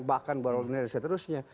bahkan beropinir dan seterusnya